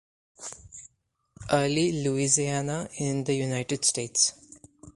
Early Louisiana in the United States.